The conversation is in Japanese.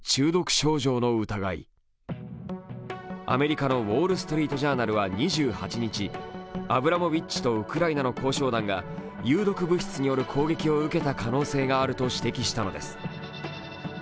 アメリカの「ウォール・ストリート・ジャーナル」は２８日、アブラモビッチ氏とウクライナの交渉団が有毒物質による攻撃を受けた可能性があると指摘したのです。